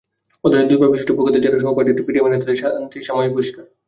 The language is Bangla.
অথচ দুই পা-বিশিষ্ট পোকাদের যারা সহপাঠীদের পিটিয়ে মারে, তাদের শাস্তি সাময়িক বহিষ্কার।